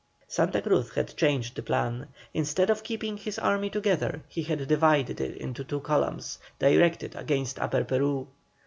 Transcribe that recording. Santa Cruz had changed the plan. Instead of keeping his army together he had divided it into two columns, directed against Upper Peru.